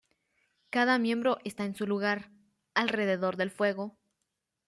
Cada miembro está en su lugar, alrededor del fuego.